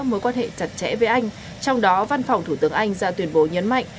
mối quan hệ chặt chẽ với anh trong đó văn phòng thủ tướng anh ra tuyên bố nhấn mạnh